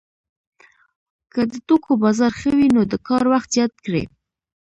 که د توکو بازار ښه وي نو د کار وخت زیات کړي